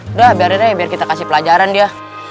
udah biar biar kita kasih pelajaran dia